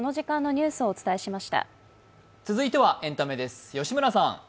続いてはエンタメです。